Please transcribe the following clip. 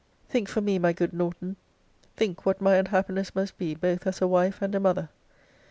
Think for me, my good Norton; think what my unhappiness must be both as a wife and a mother.